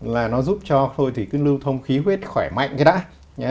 là nó giúp cho hội thủy cưng lưu thông khí huyết khỏe mạnh